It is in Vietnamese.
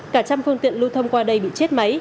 cả trăm phương tiện lưu thông qua đây bị chết máy